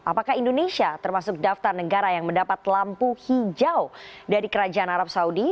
apakah indonesia termasuk daftar negara yang mendapat lampu hijau dari kerajaan arab saudi